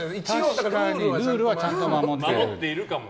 確かにルールはちゃんと守って。